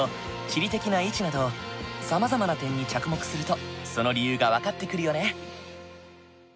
地理的な位置などさまざまな点に着目するとその理由が分かってくるよね。